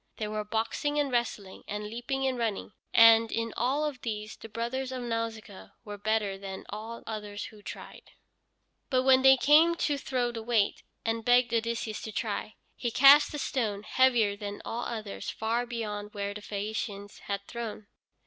There were boxing and wrestling and leaping and running, and in all of these the brothers of Nausicaa were better than all others who tried. But when they came to throw the weight, and begged Odysseus to try, he cast a stone heavier than all others, far beyond where the Phæacians had thrown.